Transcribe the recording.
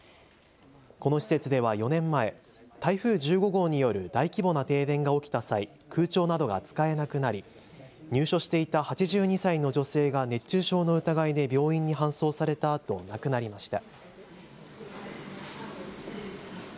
この施設では４年前、台風１５号による大規模な停電が起きた際、空調などが使えなくなり入所していた８２歳の女性が熱中症の疑いで病院に搬送されたあと亡くなりました。